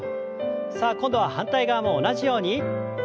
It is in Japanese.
さあ今度は反対側も同じように。